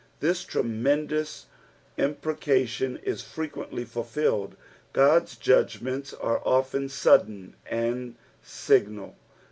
This tremendous impreca tion is frequently fulfilled. God's judgments are often sudden and signal.